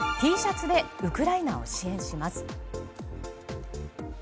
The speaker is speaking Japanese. Ｔシャツでウクライナを支援します。